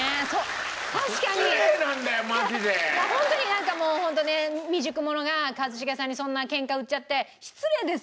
なんかもうホントね未熟者が一茂さんにそんなケンカ売っちゃって失礼ですよね？